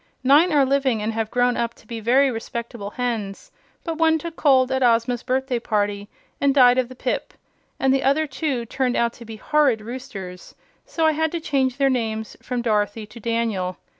Nine are living and have grown up to be very respectable hens; but one took cold at Ozma's birthday party and died of the pip, and the other two turned out to be horrid roosters, so I had to change their names from Dorothy to Daniel.